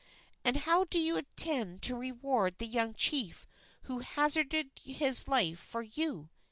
"And how do you intend to reward the young chief who hazarded his life for you?"